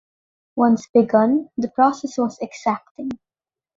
Once begun, the process was exacting.